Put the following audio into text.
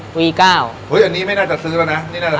วี๙เฮ้ยอันนี้ไม่น่าจะซื้อแล้วนะ